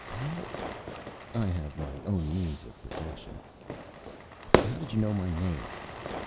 "How?" "I have my own means of protection." "How did you know my name?"